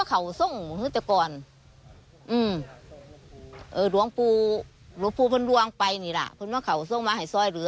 เขามาเบิ้งรวมเบิ้งยังอย่างนี้สิ